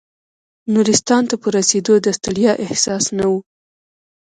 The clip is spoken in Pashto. نورستان ته په رسېدو د ستړیا احساس نه و.